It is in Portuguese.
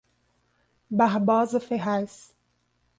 Barbosa Ferraz